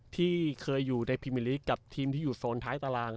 ที่เคยอยู่ในพิมมิลิกกับทีมที่อยู่โซนท้ายตาราง